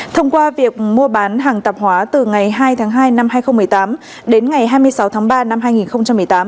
thông qua việc mua bán hàng tạp hóa từ ngày hai tháng hai năm hai nghìn một mươi tám đến ngày hai mươi sáu tháng ba năm hai nghìn một mươi tám